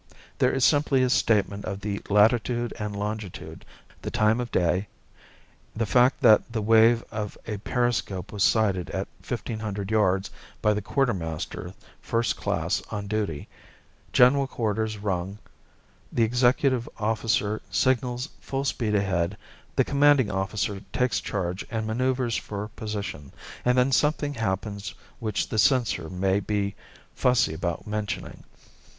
There is simply a statement of the latitude and longitude, the time of day, the fact that the wave of a periscope was sighted at 1,500 yards by the quartermaster first class on duty; general quarters rung, the executive officer signals full speed ahead, the commanding officer takes charge and manoeuvres for position and then something happens which the censor may be fussy about mentioning.